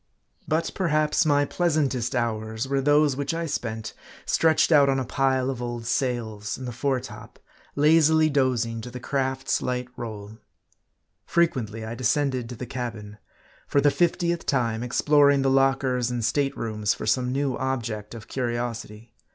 But, perhaps, my pleasantest hours were those which I spent, stretched out on a pile of old sails, in the fore top ; lazily dozing to the craft's light roll. HARD I. 123 Frequently, I descended to the cabin : for the fiftieth time, exploring the lockers and state rooms for some new object of curiosity.